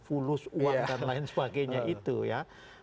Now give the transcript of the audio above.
fulus uang dan lain sebagainya itu ya